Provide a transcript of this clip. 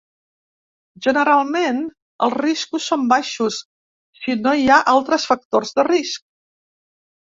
Generalment, els riscos són baixos si no hi ha altres factors de risc.